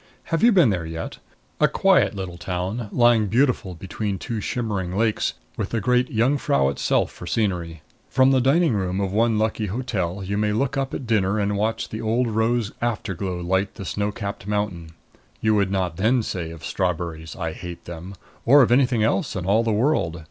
Have you been there yet? A quiet little town, lying beautiful between two shimmering lakes, with the great Jungfrau itself for scenery. From the dining room of one lucky hotel you may look up at dinner and watch the old rose afterglow light the snow capped mountain. You would not say then of strawberries: "I hate them." Or of anything else in all the world.